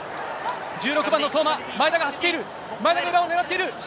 １６番の相馬、前田が走っている、前田が裏を狙っている。